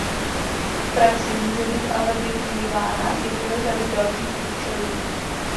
V praxi může být ale využívána i pro řadu dalších účelů.